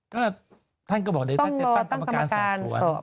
ก็ท่านก็บอกเดี๋ยวท่านจะตั้งกรรมการสอบสวน